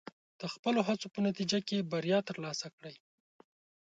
د خپلو هڅو په نتیجه کې بریا ترلاسه کړئ.